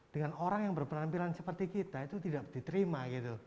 dengan orang yang berpenampilan seperti kita itu tidak diterima gitu